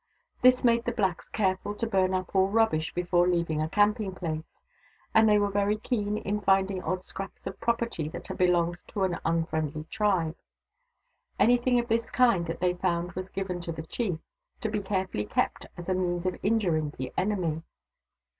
This made the blacks careful to burn up all rubbish before leaving a camping place ; and they were very keen in finding odd scraps of property that had belonged to an unfriendly tribe. Anything of this kind that they found was given to the chief, to be carefully kept as a means of injuring the enemy.